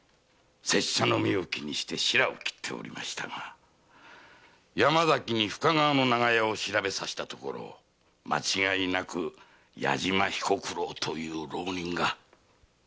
拙者の目を気にしてシラをきっておりましたが山崎に深川の長屋を調べさせたところ間違いなく矢島彦九郎という浪人が。